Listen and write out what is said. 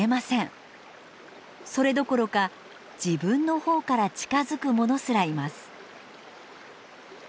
それどころか自分のほうから近づくものすらいます。